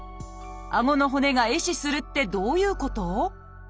顎の骨が壊死するってどういうこと？